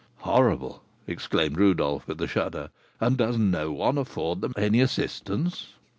"Horrible!" exclaimed Rodolph, with a shudder; "and does no one afford them any assistance?"